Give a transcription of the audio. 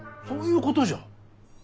そういうことじゃ。